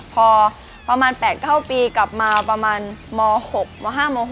พอประมาณ๘๙ปีกลับมาประมาณม๖ม๕ม๖